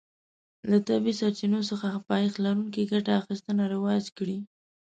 له طبیعي سرچینو څخه پایښت لرونکې ګټه اخیستنه رواج کړي.